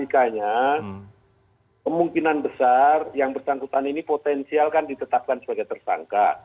di dinamikasinya kemungkinan besar yang bersangkutan ini potensialkan ditetapkan sebagai tersangka